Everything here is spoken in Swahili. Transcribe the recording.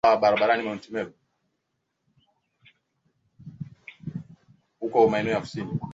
aka za afya nchini haiti zinathibitisha kuwa kesi mia moja na ishirini zimeripotiwa